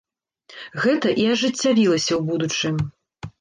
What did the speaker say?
Гэта і ажыццявілася ў будучым.